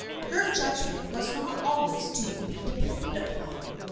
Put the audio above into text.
Her judgment was not always to be de pended upon.